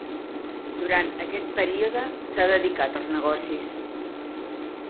Durant aquest període s'ha dedicat als negocis.